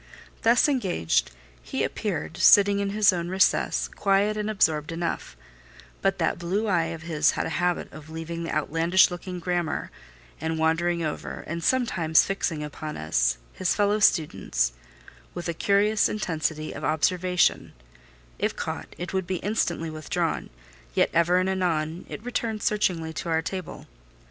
Thus engaged, he appeared, sitting in his own recess, quiet and absorbed enough; but that blue eye of his had a habit of leaving the outlandish looking grammar, and wandering over, and sometimes fixing upon us, his fellow students, with a curious intensity of observation: if caught, it would be instantly withdrawn; yet ever and anon, it returned searchingly to our table.